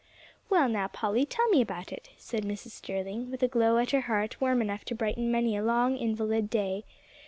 "Well now, Polly, tell me all about it," said Mrs. Sterling, with a glow at her heart warm enough to brighten many a long invalid day.